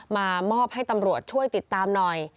มามอบให้ตำรวจช่วยติดตามหน่อย